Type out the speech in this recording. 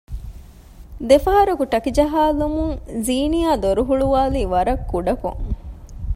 ދެފަހަރަކު ޓަކި ޖަހާލުމުން ޒީނިޔާ ދޮރުހުޅުވާލީ ވަރަށް ކުޑަކޮން